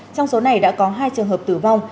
trong số này đã có hai trường hợp tử vong